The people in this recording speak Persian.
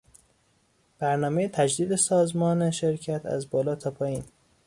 برنامهی تجدید سازمان شرکت از بالا تا پایین